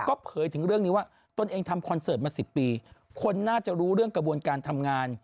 ก็เผยถึงเรื่องนี้ว่าตนเองทำคอนเสิร์ตมา๑๐ปีคนน่าจะรู้เรื่องกระบวนการทำงาน